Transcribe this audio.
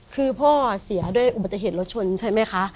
คือพ่อเสียด้วยอุบัติเหตุรถชนใช่ไหมคะ